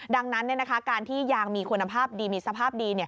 ดังนั้นการที่ยางมีคุณภาพดีมีสภาพดี